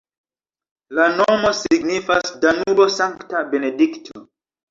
La nomo signifas Danubo-Sankta Benedikto.